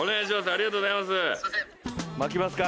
ありがとうございます。